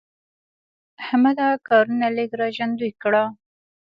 احمده کارونه لږ را ژوندي کړه.